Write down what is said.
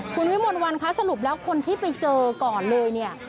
คุณวิมลวันคะสรุปแล้วคนที่ไปเจอก่อนเลยเนี่ย